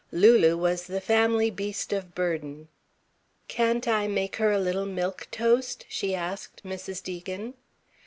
Lulu was the family beast of burden. "Can't I make her a little milk toast?" she asked Mrs. Deacon.